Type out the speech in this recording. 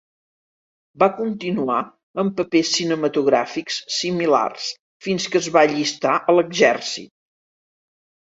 Va continuar amb papers cinematogràfics similars fins que es va allistar a l'exèrcit.